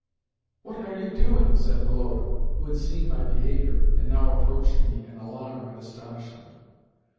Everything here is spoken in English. "What are you doing?" said Woloda, who had seen my behaviour, and now approached me in alarm and astonishment.